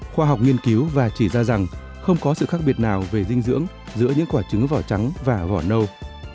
khoa học nghiên cứu và chỉ ra rằng không có sự khác biệt nào về dinh dưỡng giữa những quả trứng vỏ trắng và vỏ nâu